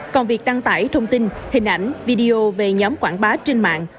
còn việc đăng tải thông tin hình ảnh video về nhóm quảng bá trên mạng